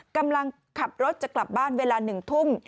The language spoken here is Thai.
กำลังขับรถจะกลับบ้านเวลา๑ทุ่ม